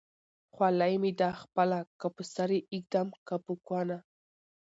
خولۍ مې ده خپله که په سر يې ايږدم که په کونه